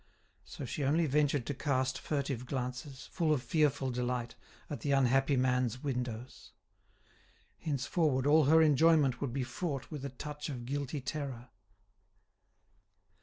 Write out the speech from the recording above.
So she only ventured to cast furtive glances, full of fearful delight, at the unhappy man's windows. Henceforward all her enjoyment would be fraught with a touch of guilty terror.